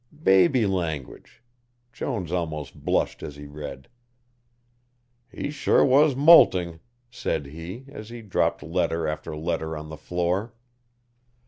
Baby language Jones almost blushed as he read. "He sure was moulting," said he, as he dropped letter after letter on the floor.